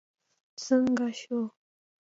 څنګه شو.